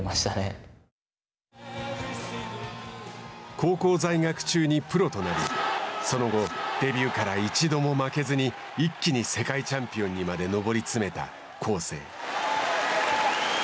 高校在学中にプロとなりその後、デビューから一度も負けずに一気に世界チャンピオンにまで上りつめた恒成。